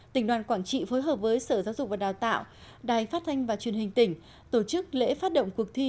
tỉnh đoàn quảng trị phối hợp với sở giáo dục và đào tạo đài phát thanh và truyền hình tỉnh tổ chức lễ phát động cuộc thi